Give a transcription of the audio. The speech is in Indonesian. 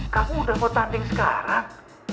kamu udah mau tanding sekarang